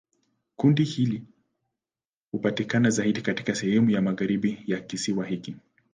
Kundi hili hupatikana zaidi katika sehemu ya magharibi ya kisiwa hiki.